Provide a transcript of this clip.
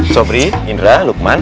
sobri indra lukman